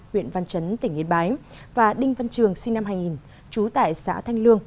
huyện văn chấn tỉnh yên bái và đinh văn trường sinh năm hai nghìn trú tại xã thanh lương